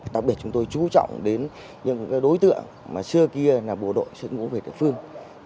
đặc biệt chúng tôi trú trọng đến những đối tượng mà xưa kia là bộ đội sử dụng vũ khí về địa phương